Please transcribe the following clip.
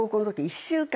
１週間！？